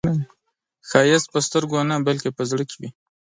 ښایست په سترګو نه، بلکې په زړه کې وي